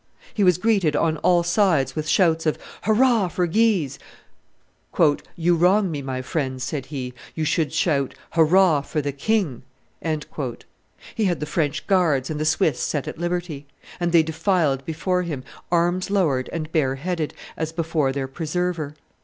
He was greeted on all sides with shouts of "Hurrah! for Guise!" "You wrong me, my friends," said he; "you should shout, 'Hurrah! for the king!'" He had the French Guards and the Swiss set at liberty; and they defiled before him, arms lowered and bareheaded, as before their preserver.